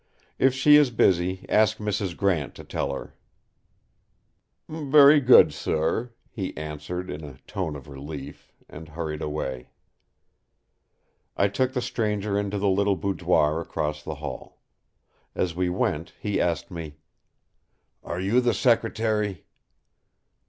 If she is busy, ask Mrs. Grant to tell her." "Very good, sir!" he answered in a tone of relief, and hurried away. I took the stranger into the little boudoir across the hall. As we went he asked me: "Are you the secretary?"